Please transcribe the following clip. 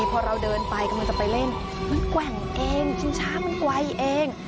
พอเราเดินไปกำลังจะไปเล่นมันแกว่งเองชิงช้ามันไกลเอง